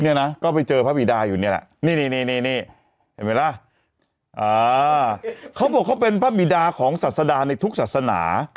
เนี่ยก็ไปเจ๋อพระพีดาอยู่เนี่ยละนี่ดิว้วเขาเป็นพระพีดาของศาสดาในทุกศาสนา